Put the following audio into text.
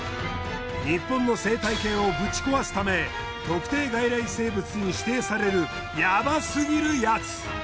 日本の生態系をぶち壊すため特定外来生物に指定されるヤバすぎるヤツ。